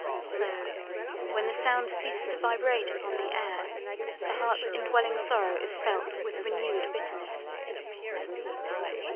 So, when the sound ceases to vibrate upon the air, the heart's indwelling sorrow is felt with renewed bitterness.'